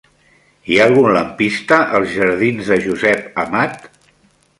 Hi ha algun lampista als jardins de Josep Amat?